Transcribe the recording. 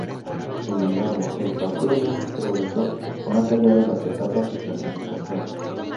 Sin embargo, el partido nunca progresó más allá de las etapas de planificación.